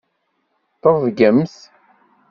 Ṭebbgemt!